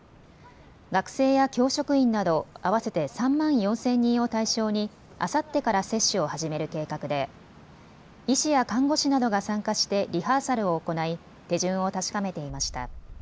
学生や教職員など合わせて３万４０００人を対象にあさってから接種を始める計画で医師や看護師などが参加してリハーサルを行い、手順を確かめていました。